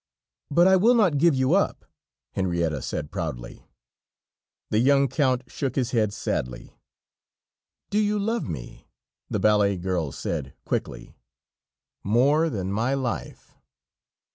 "But I will not give you up," Henrietta said proudly. The young Count shook his head sadly. "Do you love me?" the ballet girl said, quickly. "More than my life."